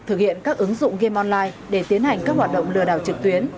thực hiện các ứng dụng game online để tiến hành các hoạt động lừa đảo trực tuyến